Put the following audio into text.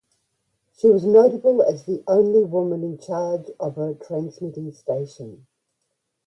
She was notable as the only woman in charge of a transmitting station.